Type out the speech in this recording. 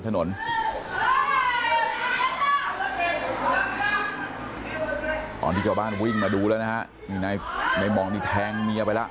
ถนนตอนที่ตัวบ้านวิ่งมาดูแล้วนะในหม่อนี้แทงเมียไปแล้ว